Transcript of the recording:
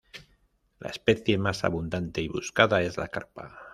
La especie más abundante y buscada es la carpa.